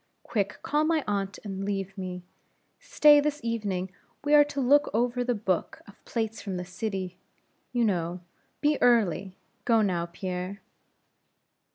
Quick, call my aunt, and leave me. Stay, this evening we are to look over the book of plates from the city, you know. Be early; go now, Pierre."